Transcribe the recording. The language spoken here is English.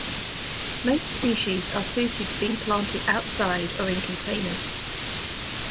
Most species are suited to being planted outside or in containers.